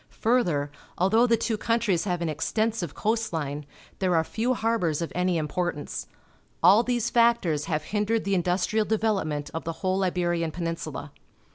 Further, although the two countries have an ex tensive coast line, there are few harbours of any importance. All these factors have hindered the industrial development of the whole Iberian Peninsula.